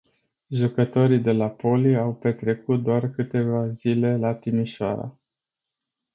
Jucătorii de la Polii au petrecut doar câteva zile la Timișoara.